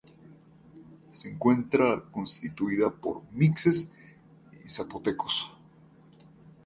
Se encuentra constituida por Mixes y Zapotecos.